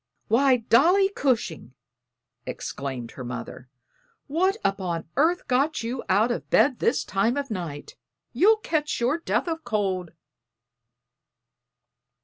"Why, Dolly Cushing!" exclaimed her mother. "What upon earth got you out of bed this time of night? You'll catch your death o' cold."